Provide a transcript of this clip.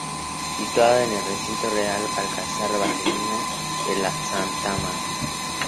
Situado en el recinto del Real Alcázar-Basílica de la Stma.